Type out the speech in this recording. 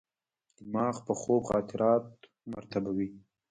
دماغ په خوب خاطرات مرتبوي.